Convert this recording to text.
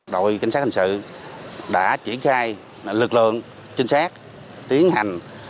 đội cảnh sát hình sự đã triển khai lực lượng trinh sát tiến hành